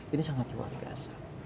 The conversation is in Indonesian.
ini sangat luar biasa